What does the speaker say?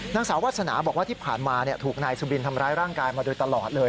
นางสาววาสนาบอกว่าที่ผ่านมาถูกนายสุบินทำร้ายร่างกายมาโดยตลอดเลย